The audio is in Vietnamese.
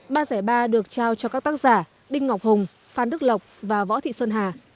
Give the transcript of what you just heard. ba giải ba được trao cho các tác giả đinh ngọc hùng phan đức lộc và võ thị xuân hà